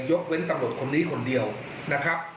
ยกเว้นตำรวจคนนี้คนเดียวนะครับ